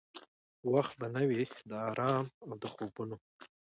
وخت به نه وي د آرام او د خوبونو؟